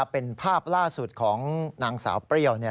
เป็นภาพล่าสุดของนางสาวเปรี้ยว